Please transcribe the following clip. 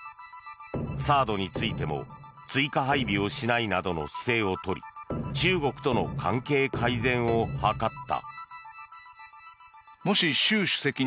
ＴＨＡＡＤについても追加配備をしないなどの姿勢を取り中国との関係改善を図った。